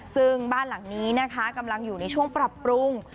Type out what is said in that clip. ซึ่งบ้านหลังนี้นะคะกำลังอยู่ในช่วงปรับปรุง